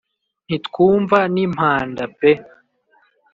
ntitwumva n'impanda pe